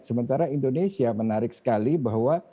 sementara indonesia menarik sekali bahwa